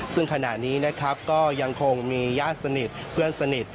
ซึ่งขณะนี้นะครับก็ยังคงมีญาติสนิทเพื่อนสนิท